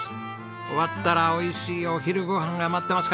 終わったらおいしいお昼ご飯が待ってますからね。